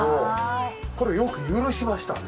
これよく許しましたね。